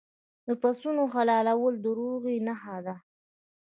د پسونو حلالول د روغې نښه ده.